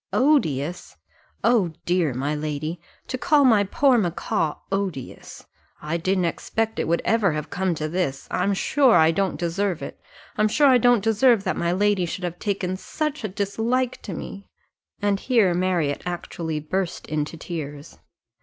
"Odious! O dear, my lady! to call my poor macaw odious! I didn't expect it would ever have come to this I am sure I don't deserve it I'm sure I don't deserve that my lady should have taken such a dislike to me." And here Marriott actually burst into tears.